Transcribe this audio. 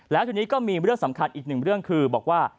แล้วทีนี้ก็มีเรื่องสำคัญอีกหนึ่งเรื่องคือบอกว่า